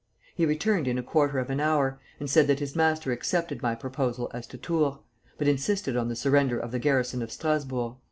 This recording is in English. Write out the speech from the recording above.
He returned in a quarter of an hour, and said that his master accepted my proposal as to Tours, but insisted on the surrender of the garrison of Strasburg."